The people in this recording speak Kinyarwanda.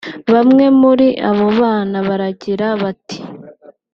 Bamwe muri abo bana baragira bati